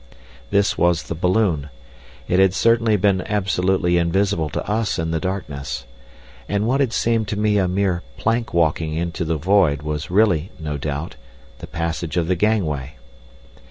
This was the balloon—it had certainly been absolutely invisible to us in the darkness—and what had seemed to me a mere plank walking into the void was really, no doubt, the passage of the gangway.